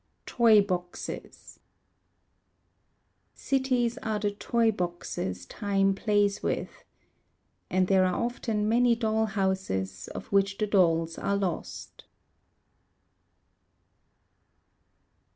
Toy Boxes Cities are the toy boxes Time plays with: And there are often many doll houses Of which the dolls are lost.